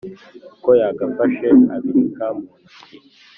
uko yagafashe ibirika mu ntoki,